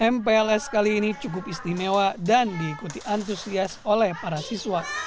mpls kali ini cukup istimewa dan diikuti antusias oleh para siswa